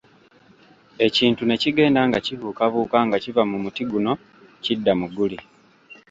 Ekintu ne kigenda nga kibuukabuuka nga kiva mu muti guno kidda mu guli.